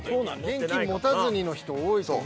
現金持たずにの人多いと思う。